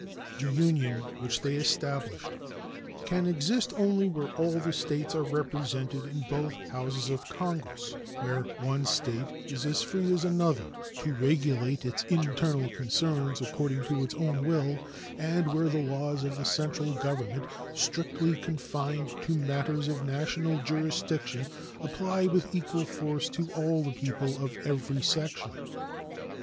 The Union which they established can exist only where all the States are represented in both Houses of Congress; where one State is as free as another to regulate its internal concerns according to its own will, and where the laws of the central Government, strictly confined to matters of national jurisdiction, apply with equal force to all the people of every section.